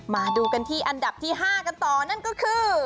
มาดูกันที่อันดับที่๕กันต่อนั่นก็คือ